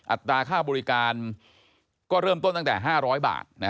อัตราค่าบริการก็เริ่มต้นตั้งแต่๕๐๐บาท